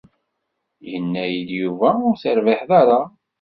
Yenna-yi-d Yuba ur terbiḥeḍ ara.